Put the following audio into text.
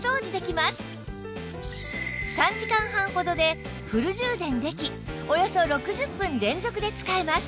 ３時間半ほどでフル充電できおよそ６０分連続で使えます